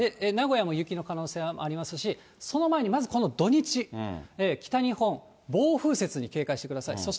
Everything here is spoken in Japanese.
名古屋も雪の可能性ありますし、その前にまず、この土日、北日本、暴風雪に警戒してください。